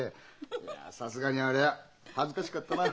いやさすがにあれは恥ずかしかったな。